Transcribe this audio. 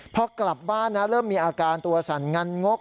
พอกลับบ้านนะเริ่มมีอาการตัวสั่นงันงก